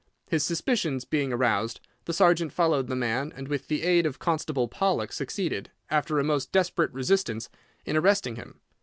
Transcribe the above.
His suspicions being aroused, the sergeant followed the man, and with the aid of Constable Pollock succeeded, after a most desperate resistance, in arresting him.